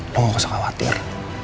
lo gak usah khawatir